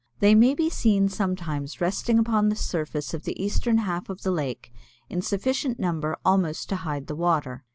They may be seen sometimes resting upon the surface of the eastern half of the lake in sufficient number almost to hide the water.